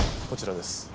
こちらです。